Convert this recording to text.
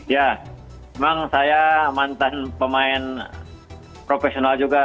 ya memang saya mantan pemain profesional juga